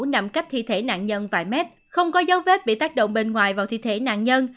nằm cách thi thể nạn nhân tại m không có dấu vết bị tác động bên ngoài vào thi thể nạn nhân